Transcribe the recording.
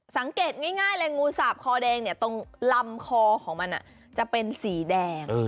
สังเกตง่ายเลยงูสาบคอแดงเนี่ยตรงลำคอของมันจะเป็นสีแดง